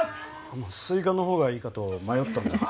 スイカのほうがいいかと迷ったんだが